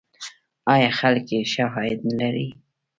آیا خلک یې ښه عاید نلري؟